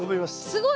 すごい。